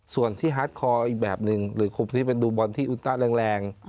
ส่วนที่ฮาร์ดคอร์อีกแบบหนึ่งหรือครบที่เป็นดูบอลที่อุต้าแรง